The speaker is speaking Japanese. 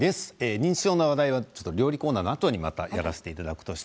認知症の話題は料理コーナーのあとにやらせていただきます。